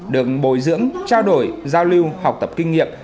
được bồi dưỡng trao đổi giao lưu học tập kinh nghiệm